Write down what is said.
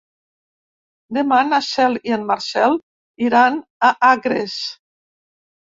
Demà na Cel i en Marcel iran a Agres.